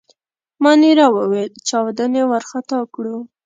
مانیرا وویل: چاودنې وارخطا کړو.